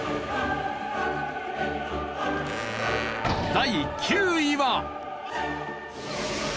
第９位は。